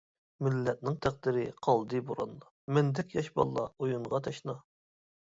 مىللەتنىڭ تەقدىرى قالدى بوراندا، مەندەك ياش باللا ئويۇنغا تەشنا.